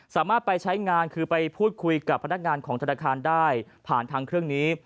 สามารถไปใช้งานคือไปพูดคุยกับพนักงานของธนาคารได้ผ่านทางเครื่องนี้